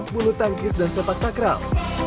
bulu tangkis dan sepak takram